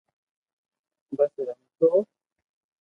پسي رمتو